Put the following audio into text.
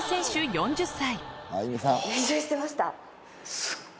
４０歳。